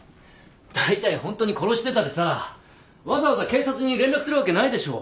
だいたいホントに殺してたりしたらわざわざ警察に連絡するわけないでしょ。